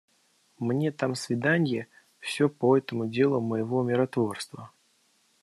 Мне там свиданье, всё по этому делу моего миротворства.